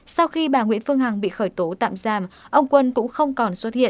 sau khi bà nguyễn phương hằng bị khởi tố tạm giam ông quân cũng không còn xuất hiện